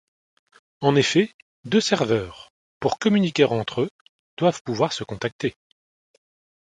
En effet, deux serveurs, pour communiquer entre eux, doivent pouvoir se contacter.